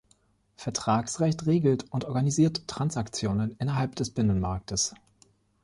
Vertragsrecht regelt und organisiert Transaktionen innerhalb des Binnenmarktes.